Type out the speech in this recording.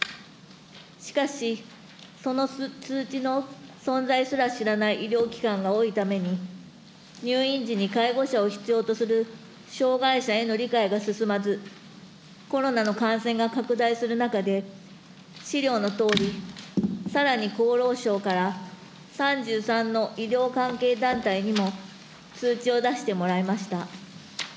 しかし、その通知の存在すら知らない医療機関が多いために、入院時に介護者を必要とする障害者への理解が進まず、コロナの感染が拡大する中で、資料のとおり、さらに厚労省から３３の医療関係団体にも通知を出してもらいました。